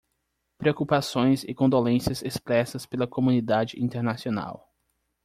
Preocupações e condolências expressas pela comunidade internacional